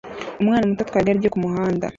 Umwana muto atwara igare rye kumuhanda